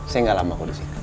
saya gak lama aku disini